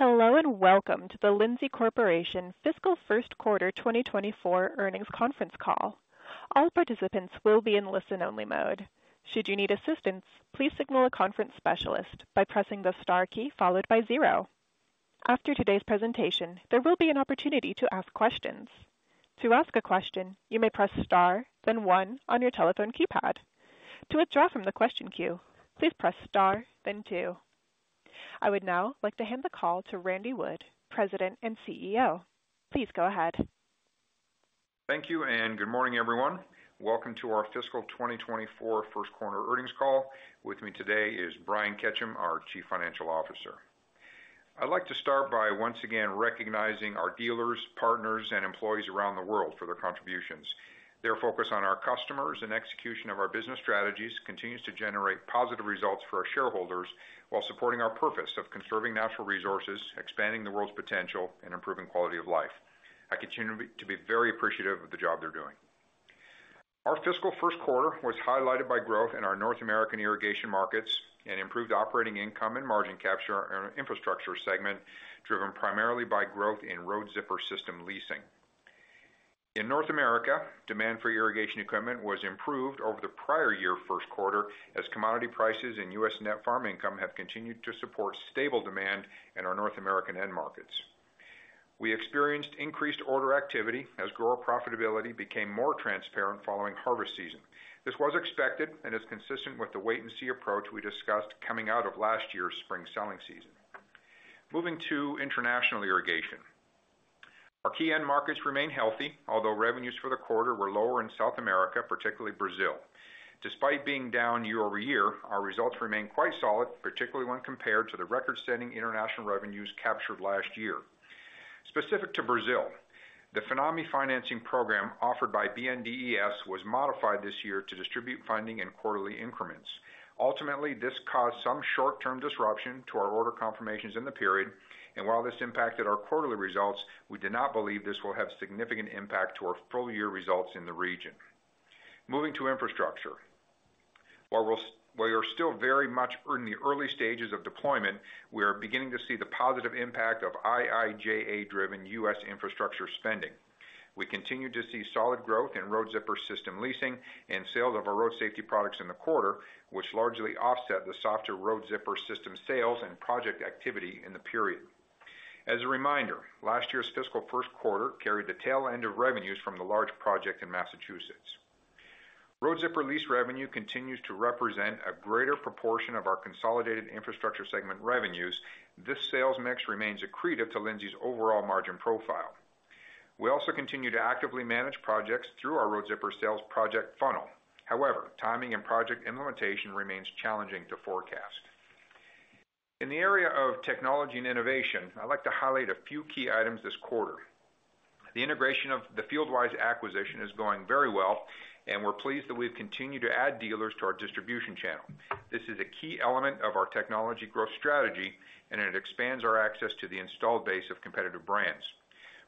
Hello, and welcome to the Lindsay Corporation Fiscal First Quarter 2024 Earnings Conference Call. All participants will be in listen-only mode. Should you need assistance, please signal a conference specialist by pressing the Star key followed by 0. After today's presentation, there will be an opportunity to ask questions. To ask a question, you may press Star, then 1 on your telephone keypad. To withdraw from the question queue, please press Star, then 2. I would now like to hand the call to Randy Wood, President and CEO. Please go ahead. Thank you, and good morning, everyone. Welcome to our fiscal 2024 first qu arter earnings call. With me today is Brian Ketchum, our Chief Financial Officer. I'd like to start by once again recognizing our dealers, partners, and employees around the world for their contributions. Their focus on our customers and execution of our business strategies continues to generate positive results for our shareholders while supporting our purpose of conserving natural resources, expanding the world's potential, and improving quality of life. I continue to be very appreciative of the job they're doing. Our fiscal first quarter was highlighted by growth in our North American irrigation markets and improved operating income and margin capture in our infrastructure segment, driven primarily by growth in Road Zipper System leasing. In North America, demand for irrigation equipment was improved over the prior year first quarter, as commodity prices and U.S. net farm income have continued to support stable demand in our North American end markets. We experienced increased order activity as grower profitability became more transparent following harvest season. This was expected and is consistent with the wait-and-see approach we discussed coming out of last year's spring selling season. Moving to international irrigation. Our key end markets remain healthy, although revenues for the quarter were lower in South America, particularly Brazil. Despite being down year-over-year, our results remain quite solid, particularly when compared to the record-setting international revenues captured last year. Specific to Brazil, the FINAME financing program offered by BNDES was modified this year to distribute funding in quarterly increments. Ultimately, this caused some short-term disruption to our order confirmations in the period, and while this impacted our quarterly results, we do not believe this will have significant impact to our full-year results in the region. Moving to infrastructure. While we are still very much in the early stages of deployment, we are beginning to see the positive impact of IIJA-driven U.S. infrastructure spending. We continue to see solid growth in Road Zipper System leasing and sales of our road safety products in the quarter, which largely offset the softer Road Zipper System sales and project activity in the period. As a reminder, last year's fiscal first quarter carried the tail end of revenues from the large project in Massachusetts. Road Zipper lease revenue continues to represent a greater proportion of our consolidated infrastructure segment revenues. This sales mix remains accretive to Lindsay's overall margin profile. We also continue to actively manage projects through our Road Zipper sales project funnel. However, timing and project implementation remains challenging to forecast. In the area of technology and innovation, I'd like to highlight a few key items this quarter. The integration of the FieldWise acquisition is going very well, and we're pleased that we've continued to add dealers to our distribution channel. This is a key element of our technology growth strategy, and it expands our access to the installed base of competitive brands.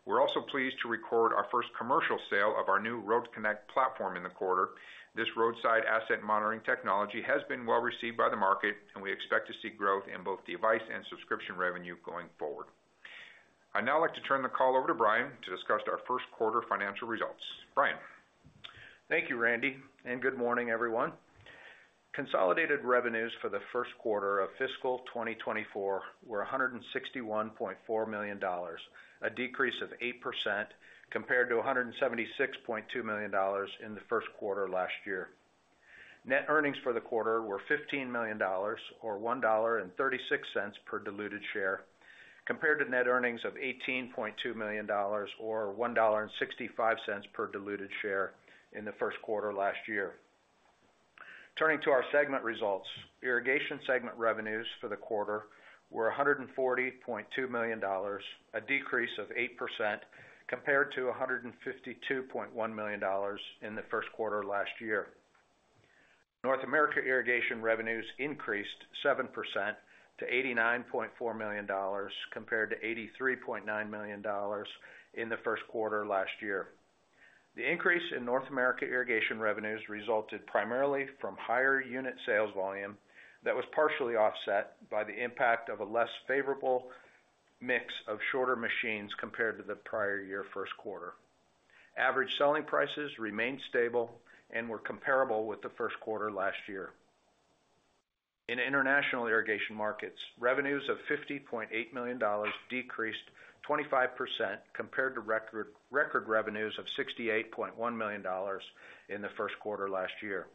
We're also pleased to record our first commercial sale of our new RoadConnect platform in the quarter. This roadside asset monitoring technology has been well received by the market, and we expect to see growth in both device and subscription revenue going forward. I'd now like to turn the call over to Brian to discuss our first quarter financial results. Brian? Thank you, Randy, and good morning, everyone. Consolidated revenues for the first quarter of fiscal 2024 were $161.4 million, a decrease of 8% compared to $176.2 million in the first quarter last year. Net earnings for the quarter were $15 million, or $1.36 per diluted share, compared to net earnings of $18.2 million or $1.65 per diluted share in the first quarter last year. Turning to our segment results. Irrigation segment revenues for the quarter were $140.2 million, a decrease of 8% compared to $152.1 million in the first quarter last year. North America irrigation revenues increased 7% to $89.4 million, compared to $83.9 million in the first quarter last year. The increase in North America irrigation revenues resulted primarily from higher unit sales volume that was partially offset by the impact of a less favorable mix of shorter machines compared to the prior year first quarter. Average selling prices remained stable and were comparable with the first quarter last year. In international irrigation markets, revenues of $50.8 million decreased 25% compared to record revenues of $68.1 million in the first quarter last year.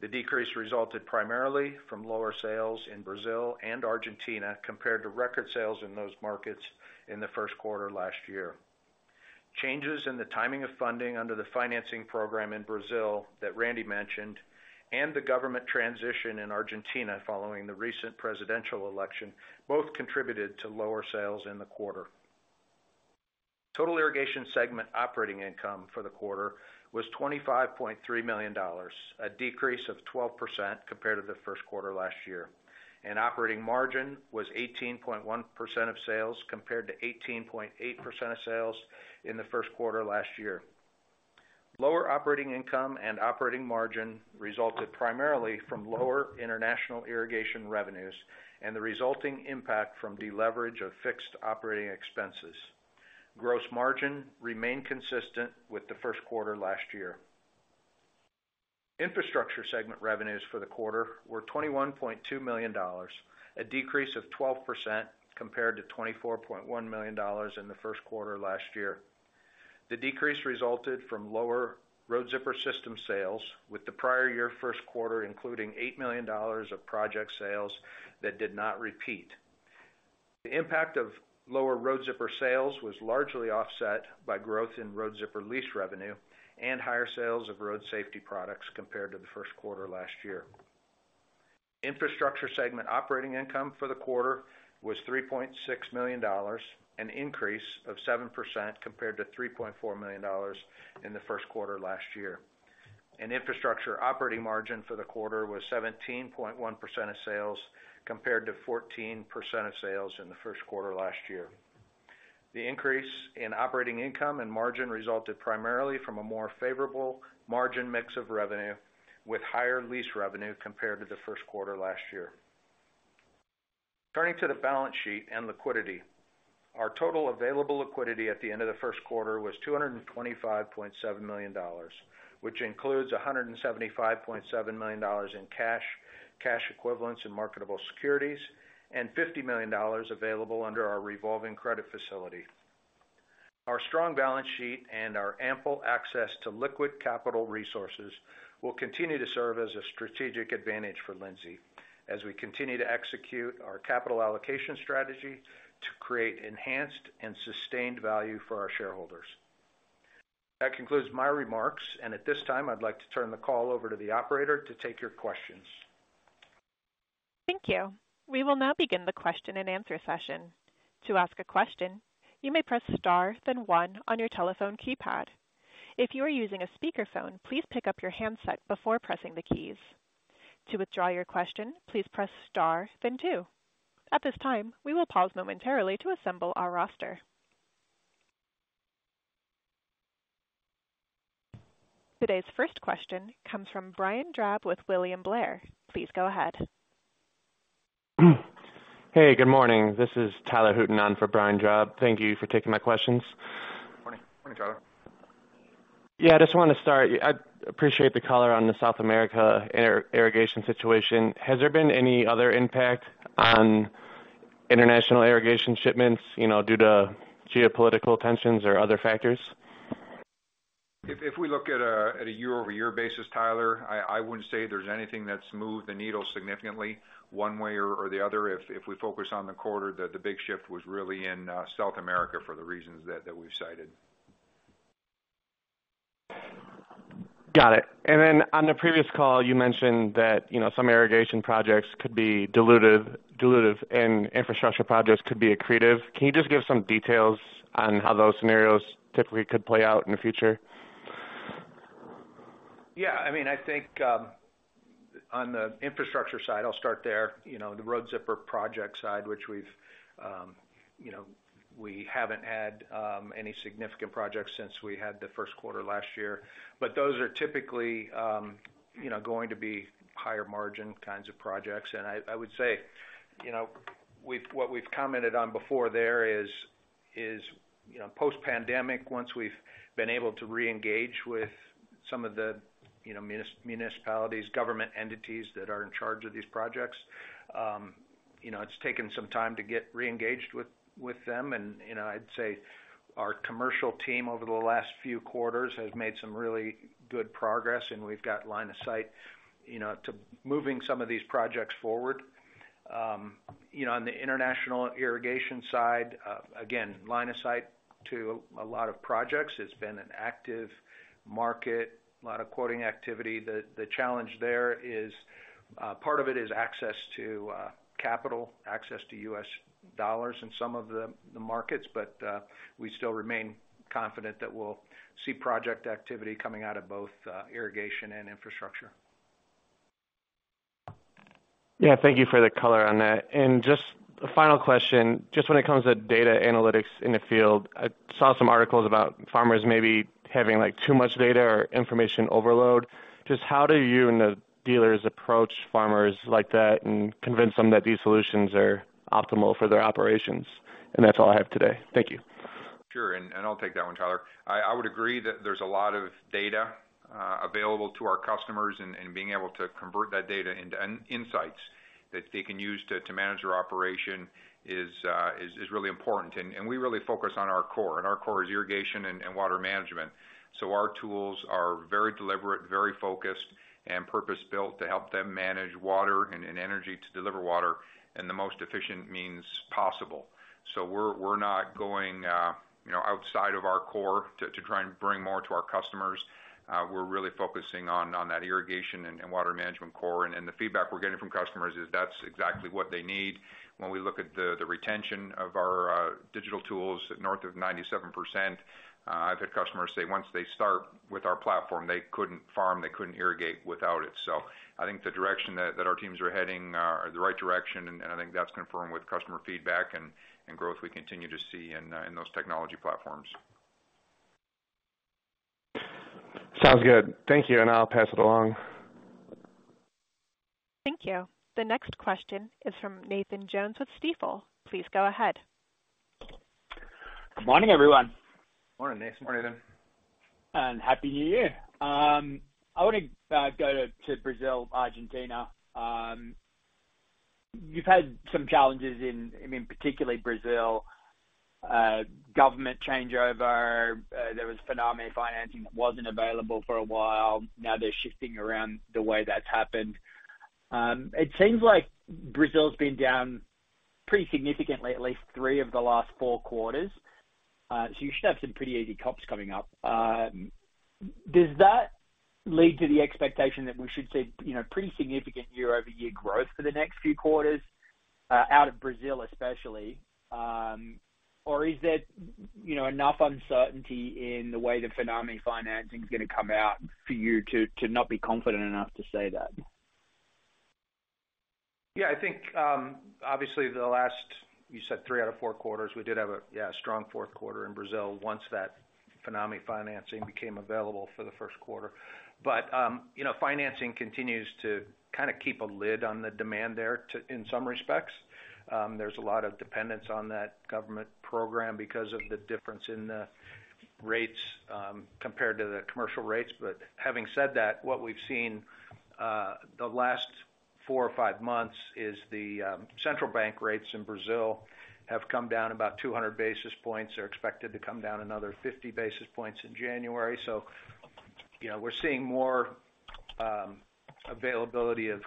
The decrease resulted primarily from lower sales in Brazil and Argentina compared to record sales in those markets in the first quarter last year. Changes in the timing of funding under the financing program in Brazil that Randy mentioned, and the government transition in Argentina following the recent presidential election, both contributed to lower sales in the quarter. Total irrigation segment operating income for the quarter was $25.3 million, a decrease of 12% compared to the first quarter last year, and operating margin was 18.1% of sales, compared to 18.8% of sales in the first quarter last year. Lower operating income and operating margin resulted primarily from lower international irrigation revenues and the resulting impact from deleverage of fixed operating expenses. Gross margin remained consistent with the first quarter last year. Infrastructure segment revenues for the quarter were $21.2 million, a decrease of 12% compared to $24.1 million in the first quarter last year. The decrease resulted from lower Road Zipper System sales, with the prior year first quarter including $8 million of project sales that did not repeat. The impact of lower Road Zipper System sales was largely offset by growth in Road Zipper System lease revenue and higher sales of road safety products compared to the first quarter last year. Infrastructure segment operating income for the quarter was $3.6 million, an increase of 7% compared to $3.4 million in the first quarter last year. Infrastructure operating margin for the quarter was 17.1% of sales, compared to 14% of sales in the first quarter last year. The increase in operating income and margin resulted primarily from a more favorable margin mix of revenue, with higher lease revenue compared to the first quarter last year. Turning to the balance sheet and liquidity. Our total available liquidity at the end of the first quarter was $225.7 million, which includes $175.7 million in cash, cash equivalents and marketable securities, and $50 million available under our revolving credit facility. Our strong balance sheet and our ample access to liquid capital resources will continue to serve as a strategic advantage for Lindsay as we continue to execute our capital allocation strategy to create enhanced and sustained value for our shareholders. That concludes my remarks, and at this time, I'd like to turn the call over to the operator to take your questions. Thank you. We will now begin the question and answer session. To ask a question, you may press star then one on your telephone keypad. If you are using a speakerphone, please pick up your handset before pressing the keys. To withdraw your question, please press star then two. At this time, we will pause momentarily to assemble our roster. Today's first question comes from Brian Drab with William Blair. Please go ahead. Hey, good morning. This is Tyler Hutin on for Brian Drab. Thank you for taking my questions. Morning. Morning, Tyler. Yeah, I just want to start. I appreciate the color on the South America irrigation situation. Has there been any other impact on international irrigation shipments, you know, due to geopolitical tensions or other factors? If we look at a year-over-year basis, Tyler, I wouldn't say there's anything that's moved the needle significantly one way or the other. If we focus on the quarter, the big shift was really in South America for the reasons that we've cited. Got it. And then on the previous call, you mentioned that, you know, some irrigation projects could be dilutive, dilutive and infrastructure projects could be accretive. Can you just give some details on how those scenarios typically could play out in the future? Yeah, I mean, I think, on the infrastructure side, I'll start there. You know, the Road Zipper project side, which we've, you know, we haven't had, any significant projects since we had the first quarter last year. But those are typically, you know, going to be higher margin kinds of projects. And I would say, you know, we've-- what we've commented on before there is, you know, post-pandemic, once we've been able to reengage with some of the, you know, municipalities, government entities that are in charge of these projects, you know, it's taken some time to get reengaged with them. And, you know, I'd say our commercial team, over the last few quarters, has made some really good progress, and we've got line of sight, you know, to moving some of these projects forward. You know, on the international irrigation side, again, line of sight to a lot of projects. It's been an active market, a lot of quoting activity. The challenge there is part of it is access to capital, access to U.S. dollars in some of the markets, but we still remain confident that we'll see project activity coming out of both irrigation and infrastructure. Yeah, thank you for the color on that. Just a final question, just when it comes to data analytics in the field, I saw some articles about farmers maybe having, like, too much data or information overload. Just how do you and the dealers approach farmers like that and convince them that these solutions are optimal for their operations? That's all I have today. Thank you. Sure, and I'll take that one, Tyler. I would agree that there's a lot of data available to our customers, and being able to convert that data into insights that they can use to manage their operation is really important. And we really focus on our core, and our core is irrigation and water management. So our tools are very deliberate, very focused, and purpose-built to help them manage water and energy to deliver water in the most efficient means possible. So we're not going, you know, outside of our core to try and bring more to our customers. We're really focusing on that irrigation and water management core. And the feedback we're getting from customers is that's exactly what they need. When we look at the retention of our digital tools at north of 97%, I've had customers say once they start with our platform, they couldn't farm, they couldn't irrigate without it. So I think the direction that our teams are heading are the right direction, and I think that's confirmed with customer feedback and growth we continue to see in those technology platforms. Sounds good. Thank you, and I'll pass it along. Thank you. The next question is from Nathan Jones with Stifel. Please go ahead. Good morning, everyone. Morning, Nathan. Morning. And Happy New Year! I want to go to Brazil, Argentina. You've had some challenges in, I mean, particularly Brazil, government changeover. There was FINAME financing that wasn't available for a while. Now they're shifting around the way that's happened. It seems like Brazil's been down pretty significantly, at least three of the last four quarters. So you should have some pretty easy comps coming up. Does that lead to the expectation that we should see, you know, pretty significant year-over-year growth for the next few quarters out of Brazil, especially, or is there, you know, enough uncertainty in the way the FINAME financing is gonna come out for you to not be confident enough to say that? Yeah, I think, obviously, the last, you said three out of four quarters, we did have a, yeah, strong fourth quarter in Brazil once that FINAME financing became available for the first quarter. But, you know, financing continues to kind of keep a lid on the demand there in some respects. There's a lot of dependence on that government program because of the difference in the rates, compared to the commercial rates. But having said that, what we've seen, the last four or five months is the, central bank rates in Brazil have come down about 200 basis points. They're expected to come down another 50 basis points in January. So, you know, we're seeing more, availability of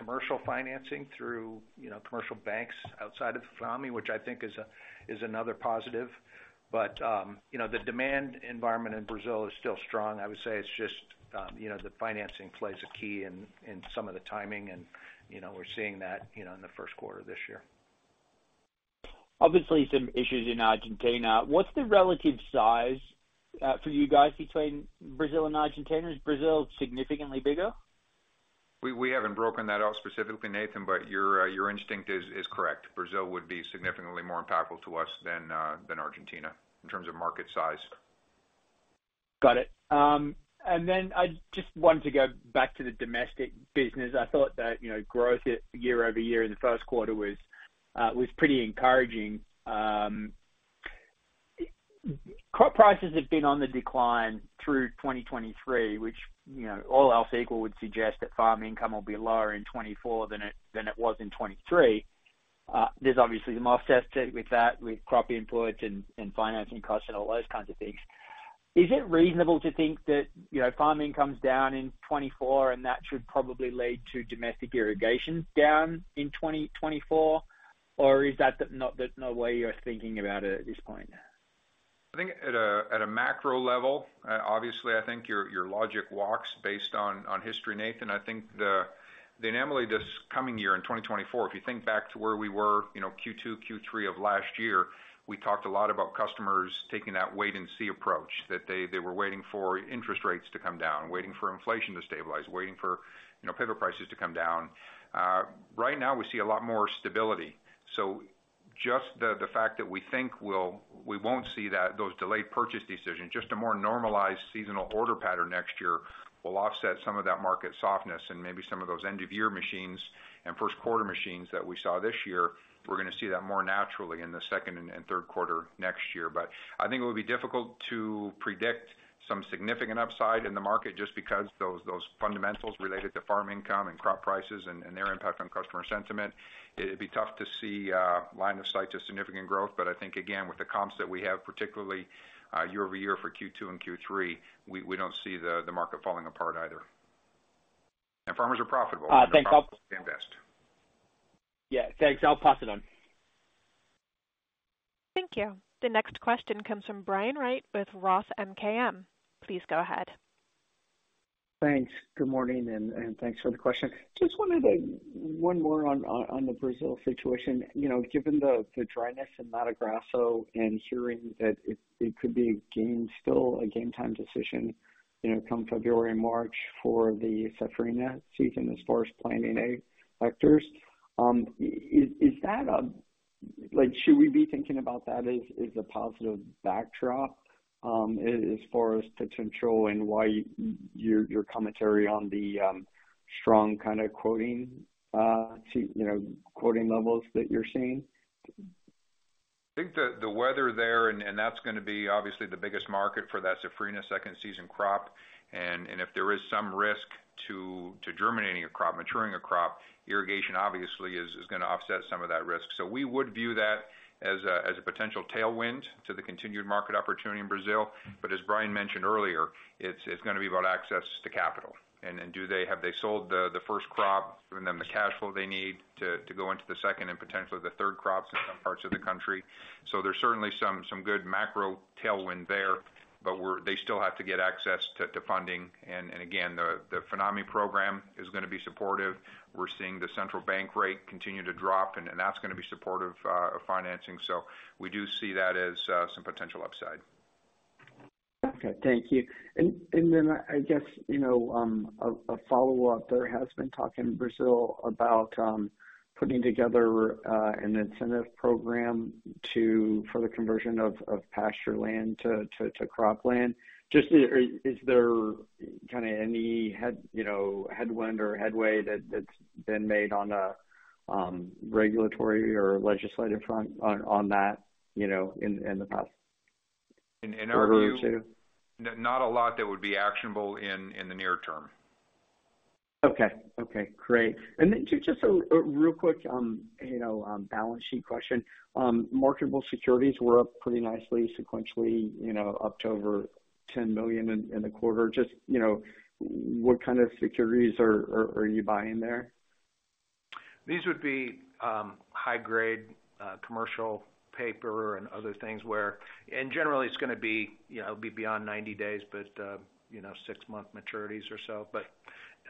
commercial financing through, you know, commercial banks outside of FINAME, which I think is another positive. But, you know, the demand environment in Brazil is still strong. I would say it's just, you know, the financing plays a key in some of the timing, and, you know, we're seeing that, you know, in the first quarter of this year. Obviously, some issues in Argentina. What's the relative size, for you guys between Brazil and Argentina? Is Brazil significantly bigger? We, we haven't broken that out specifically, Nathan, but your, your instinct is, is correct. Brazil would be significantly more impactful to us than, than Argentina in terms of market size. Got it. And then I just wanted to go back to the domestic business. I thought that, you know, growth at year-over-year in the first quarter was pretty encouraging. Crop prices have been on the decline through 2023, which, you know, all else equal would suggest that farm income will be lower in 2024 than it was in 2023. There's obviously some offsets with that, with crop inputs and financing costs and all those kinds of things. Is it reasonable to think that, you know, farm income's down in 2024, and that should probably lead to domestic irrigation down in 2024, or is that not the way you're thinking about it at this point? I think at a macro level, obviously, I think your logic walks based on history, Nathan. I think the anomaly this coming year in 2024, if you think back to where we were, you know, Q2, Q3 of last year, we talked a lot about customers taking that wait-and-see approach, that they were waiting for interest rates to come down, waiting for inflation to stabilize, waiting for, you know, pivot prices to come down. Right now we see a lot more stability. So just the fact that we think we won't see that those delayed purchase decisions, just a more normalized seasonal order pattern next year, will offset some of that market softness and maybe some of those end-of-year machines and first quarter machines that we saw this year, we're gonna see that more naturally in the second and third quarter next year. But I think it would be difficult to predict some significant upside in the market just because those fundamentals related to farm income and crop prices and their impact on customer sentiment. It'd be tough to see a line of sight to significant growth, but I think, again, with the comps that we have, particularly year-over-year for Q2 and Q3, we don't see the market falling apart either. And farmers are profitable. Uh, thanks. Invest. Yeah, thanks. I'll pass it on. Thank you. The next question comes from Brian Wright with Roth MKM. Please go ahead. Thanks. Good morning, and thanks for the question. Just wanted to... One more on the Brazil situation. You know, given the dryness in Mato Grosso and hearing that it could be a game time decision, you know, come February, March for the Safrinha season as far as planting hectares, like, should we be thinking about that as a positive backdrop, as far as to control and your commentary on the strong kind of quoting, you know, quoting levels that you're seeing? I think the weather there, and that's gonna be obviously the biggest market for that Safrinha second season crop. And if there is some risk to germinating a crop, maturing a crop, irrigation obviously is gonna offset some of that risk. So we would view that as a potential tailwind to the continued market opportunity in Brazil. But as Brian mentioned earlier, it's gonna be about access to capital. And then, have they sold the first crop, giving them the cash flow they need to go into the second and potentially the third crops in some parts of the country? So there's certainly some good macro tailwind there, but they still have to get access to funding. And again, the FINAME program is gonna be supportive. We're seeing the central bank rate continue to drop, and that's gonna be supportive of financing. So we do see that as some potential upside. Okay, thank you. Then I guess, you know, a follow-up. There has been talk in Brazil about putting together an incentive program for the conversion of pasture land to cropland. Just, is there kinda any headwind or headway that's been made on the regulatory or legislative front on that, you know, in the past quarter or two? In our view, not a lot that would be actionable in the near term. Okay. Okay, great. And then just a real quick, you know, balance sheet question. Marketable securities were up pretty nicely sequentially, you know, up to over $10 million in the quarter. Just, you know, what kind of securities are you buying there? These would be high grade commercial paper and other things where... And generally, it's gonna be, you know, it'll be beyond 90 days, but, you know, 6-month maturities or so. But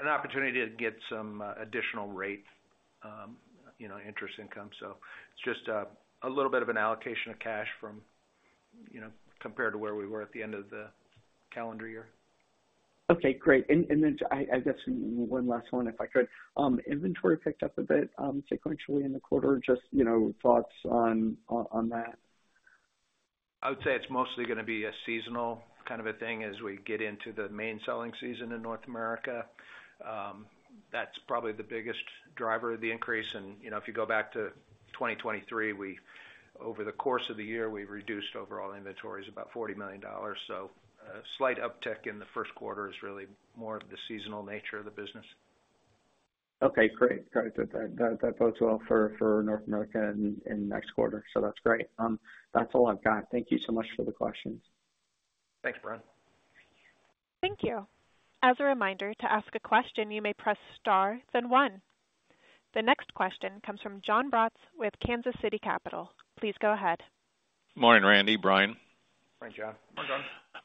an opportunity to get some additional rate, you know, interest income. So it's just a little bit of an allocation of cash from, you know, compared to where we were at the end of the calendar year. Okay, great. And then I guess one last one, if I could. Inventory picked up a bit, sequentially in the quarter. Just, you know, thoughts on that? I would say it's mostly gonna be a seasonal kind of a thing as we get into the main selling season in North America. That's probably the biggest driver of the increase. And, you know, if you go back to 2023, we over the course of the year, we've reduced overall inventories about $40 million. So a slight uptick in the first quarter is really more of the seasonal nature of the business. Okay, great. Got it. That bodes well for North America in the next quarter. So that's great. That's all I've got. Thank you so much for the questions. Thanks, Brian. Thank you. As a reminder, to ask a question, you may press star, then one. The next question comes from Jon Braatz with Kansas City Capital. Please go ahead. Morning, Randy, Brian. Morning, Jon.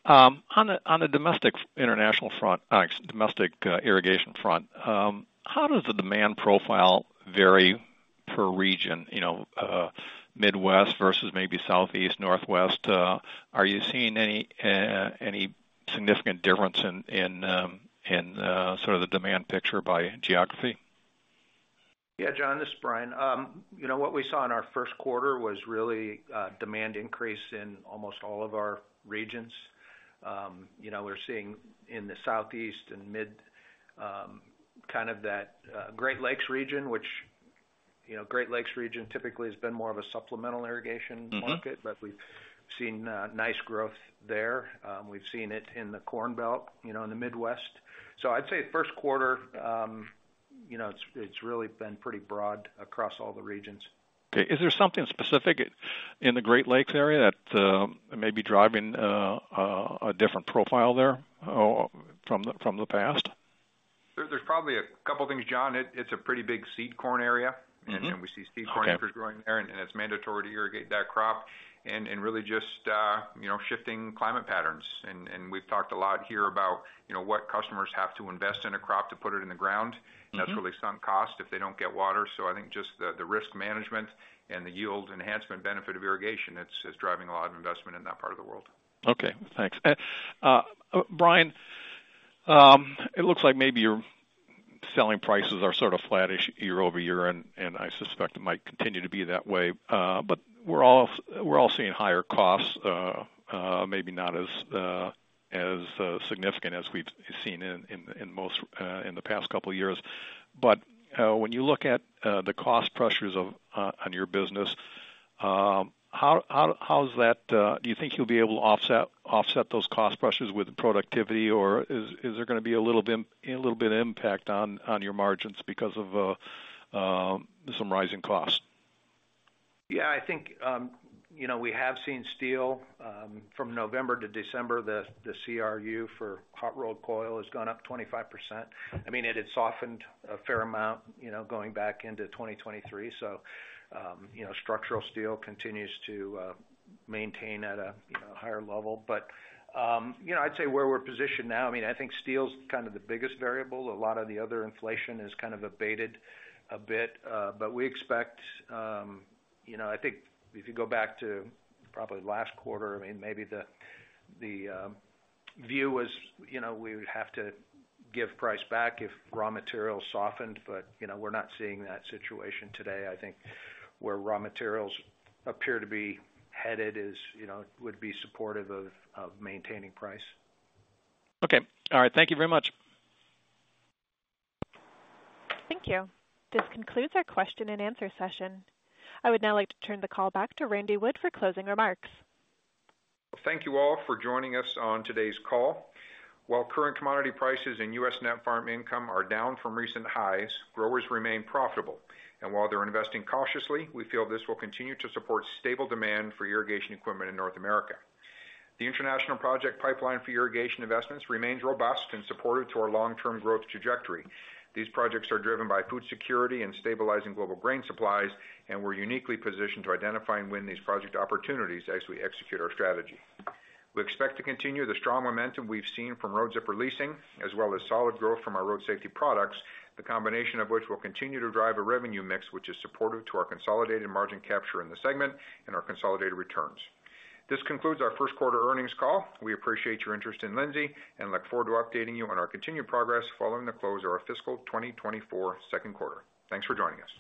On the domestic international front, domestic irrigation front, how does the demand profile vary per region? You know, Midwest versus maybe Southeast, Northwest, are you seeing any significant difference in sort of the demand picture by geography? Yeah, Jon, this is Brian. You know, what we saw in our first quarter was really demand increase in almost all of our regions. You know, we're seeing in the Southeast and Midwest kind of that Great Lakes region, which, you know, Great Lakes region typically has been more of a supplemental irrigation market- But we've seen nice growth there. We've seen it in the Corn Belt, you know, in the Midwest. So I'd say first quarter, you know, it's really been pretty broad across all the regions. Okay. Is there something specific in the Great Lakes area that may be driving a different profile there from the past? There's probably a couple things, Jon. It's a pretty big seed corn area. And we see seed corn acreage growing there, and it's mandatory to irrigate that crop and really just, you know, shifting climate patterns. And we've talked a lot here about, you know, what customers have to invest in a crop to put it in the ground. That's really sunk cost if they don't get water. I think just the risk management and the yield enhancement benefit of irrigation that is driving a lot of investment in that part of the world. Okay, thanks. Brian, it looks like maybe your selling prices are sort of flattish year-over-year, and I suspect it might continue to be that way. But we're all seeing higher costs, maybe not as significant as we've seen in the past couple of years. But when you look at the cost pressures on your business, how is that do you think you'll be able to offset those cost pressures with productivity, or is there gonna be a little bit of impact on your margins because of some rising costs? Yeah, I think, you know, we have seen steel from November to December, the CRU for Hot Rolled Coil has gone up 25%. I mean, it had softened a fair amount, you know, going back into 2023. So, you know, structural steel continues to maintain at a, you know, higher level. But, you know, I'd say where we're positioned now, I mean, I think steel's kind of the biggest variable. A lot of the other inflation has kind of abated a bit. But we expect, you know, I think if you go back to probably last quarter, I mean, maybe the view was, you know, we would have to give price back if raw materials softened. But, you know, we're not seeing that situation today. I think where raw materials appear to be headed is, you know, would be supportive of maintaining price. Okay. All right. Thank you very much. Thank you. This concludes our question and answer session. I would now like to turn the call back to Randy Wood for closing remarks. Thank you all for joining us on today's call. While current commodity prices and U.S. net farm income are down from recent highs, growers remain profitable. While they're investing cautiously, we feel this will continue to support stable demand for irrigation equipment in North America. The international project pipeline for irrigation investments remains robust and supportive to our long-term growth trajectory. These projects are driven by food security and stabilizing global grain supplies, and we're uniquely positioned to identify and win these project opportunities as we execute our strategy. We expect to continue the strong momentum we've seen from Road Zipper leasing, as well as solid growth from our road safety products, the combination of which will continue to drive a revenue mix, which is supportive to our consolidated margin capture in the segment and our consolidated returns. This concludes our first quarter earnings call. We appreciate your interest in Lindsay, and look forward to updating you on our continued progress following the close of our fiscal 2024 second quarter. Thanks for joining us.